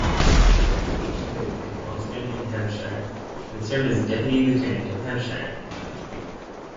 Leach lived at Wonston in Hampshire and served as Deputy Lieutenant of Hampshire.